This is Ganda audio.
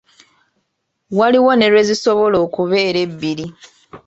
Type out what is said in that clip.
Waliwo ne lwezisobola okubeera ebbiri.